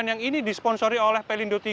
yang ini disponsori oleh pelindo tiga